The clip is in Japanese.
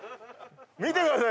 見てください。